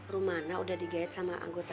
romana udah digait sama anggota kota